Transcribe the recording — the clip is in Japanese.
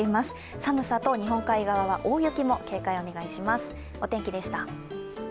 寒さと日本海側は大雪に警戒をお願いします。